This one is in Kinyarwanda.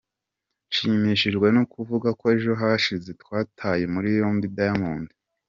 Nshimishijwe no kuvuga ko ejo hashize twataye muri yombi Diamond”.